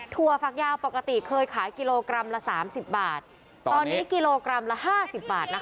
ฝักยาวปกติเคยขายกิโลกรัมละ๓๐บาทตอนนี้กิโลกรัมละ๕๐บาทนะคะ